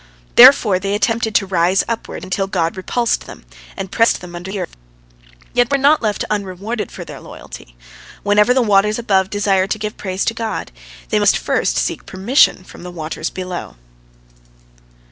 Therefore they attempted to rise upward, until God repulsed them, and pressed them under the earth. Yet they were not left unrewarded for their loyalty. Whenever the waters above desire to give praise to God, they must first seek permission from the waters below.